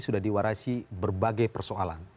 sudah diwarasi berbagai persoalan